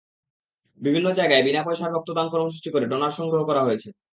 বিভিন্ন জায়গায় বিনা পয়সার রক্তদান কর্মসূচি করে ডোনার সংগ্রহ করা হয়েছে।